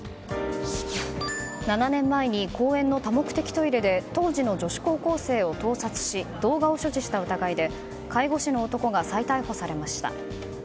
７年前に公園の多目的トイレで当時の女子高校生を盗撮し動画を所持した疑いで介護士の男が再逮捕されました。